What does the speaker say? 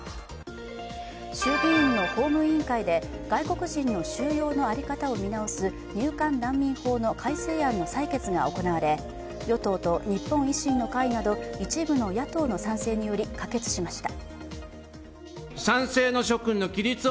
衆議院の法務委員会で外国人の収容の在り方を見直す入管難民法の改正案の採決が行われ、与党と日本維新の会など一部の野党の賛成により可決しました。